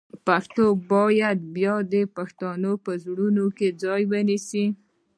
پښتو باید بیا د پښتنو په زړونو کې ځای ونیسي.